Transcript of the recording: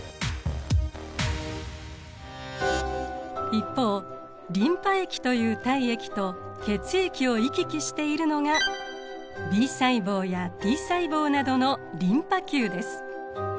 一方リンパ液という体液と血液を行き来しているのがＢ細胞やＴ細胞などのリンパ球です。